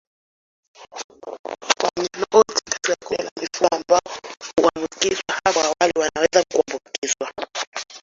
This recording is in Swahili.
Wanyama wote katika kundi la mifugo ambao hawakuambukizwa hapo awali wanaweza kuambukizwa